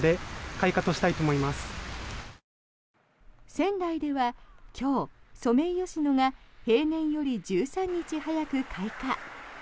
仙台では今日、ソメイヨシノが平年より１３日早く開花。